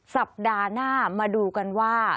สัปดาห์หน้ามาดูกันว่า